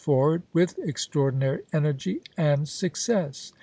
foi'ward wlth extraordinary energy and success.